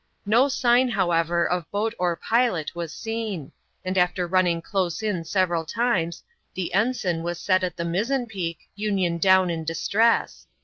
No sign, however, of boat or pilot was seen ; and after running close in several times, the ensign was set at the mizen peak, union down in distress.